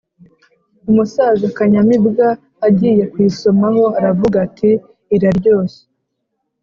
umusaza kanyamibwa agiye kuyisomaho aravuga ati iraryohye